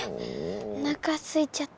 おなかすいちゃった。